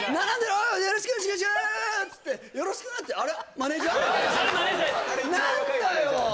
よろしくよろしくっつってよろしくってあれマネージャーです何だよ